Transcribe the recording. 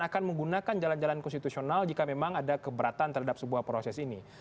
akan menggunakan jalan jalan konstitusional jika memang ada keberatan terhadap sebuah proses ini